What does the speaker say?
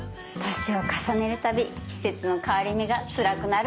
年を重ねるたび季節の変わり目がつらくなるのよね。